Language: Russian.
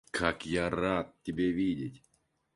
Как я рад тебя видеть!